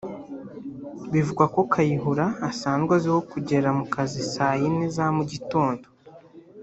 Bivugwa ko Kayihura asanzwe azwiho kugera mu kazi saa yine za mugitondo